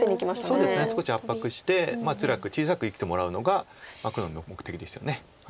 少し圧迫してつらく小さく生きてもらうのが黒の目的ですよね。